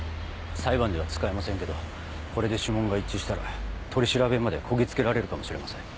裁判では使えませんけどこれで指紋が一致したら取り調べまでこぎ着けられるかもしれません。